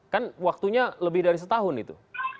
kan waktunya lebih dari setahun itu